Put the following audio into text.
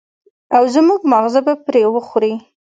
او زموږ ماغزه به پرې وخوري.